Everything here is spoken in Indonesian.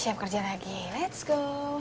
siap kerja lagi let's go